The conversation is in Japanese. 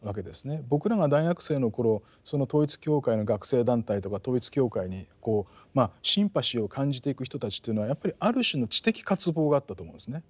僕らが大学生の頃その統一教会の学生団体とか統一教会にシンパシーを感じていく人たちというのはやっぱりある種の知的渇望があったと思うんですね。